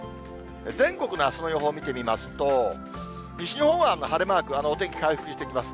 全国のあすの予報見てみますと、西日本は晴れマーク、お天気回復してきます。